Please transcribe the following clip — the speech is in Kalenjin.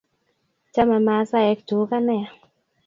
Chame maasaek tuka nea .